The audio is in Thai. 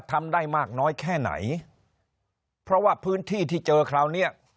ทำได้มากน้อยแค่ไหนเพราะว่าพื้นที่ที่เจอคราวเนี้ย